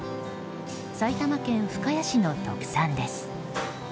埼玉県深谷市の特産です。